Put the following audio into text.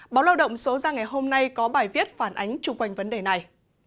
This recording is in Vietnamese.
báo lao động số ra ngày hôm nay có bài viết phản ánh chung quanh vấn đề này